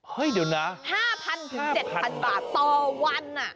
เฮ้ยเดี๋ยวนะ๕๐๐๗๐๐บาทต่อวัน